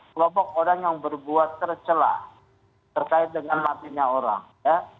kelompok orang yang berbuat tercelah terkait dengan matinya orang ya